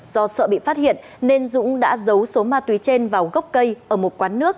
do sợ bị phát hiện nên dũng đã giấu số ma túy trên vào gốc cây ở một quán nước